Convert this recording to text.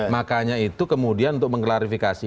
makanya itu kemudian untuk mengklarifikasi